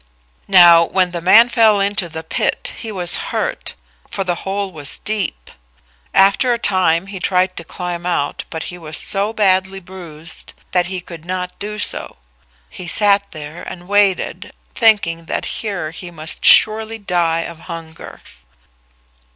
Now, when the man fell into the pit he was hurt, for the hole was deep. After a time he tried to climb out, but he was so badly bruised that he could not do so. He sat there and waited, thinking that here he must surely die of hunger.